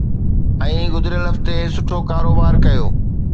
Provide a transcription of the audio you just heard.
۽ گذريل هفتي سٺو ڪاروبار ڪيو